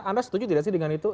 anda setuju tidak sih dengan itu